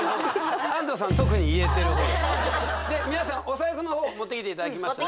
で皆さんお財布の方持ってきていただきましたね